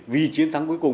vì chiến thắng cuối cùng